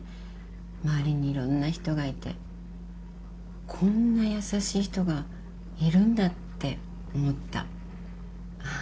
周りにいろんな人がいてこんな優しい人がいるんだって思った。